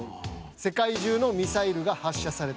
「世界中のミサイルが発射された」